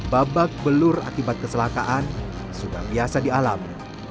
babak belur akibat keselakaan sudah biasa di alam